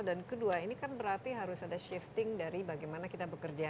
dan kedua ini kan berarti harus ada shifting dari bagaimana kita bekerja